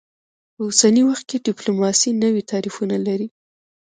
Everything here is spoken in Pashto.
په اوسني وخت کې ډیپلوماسي نوي تعریفونه لري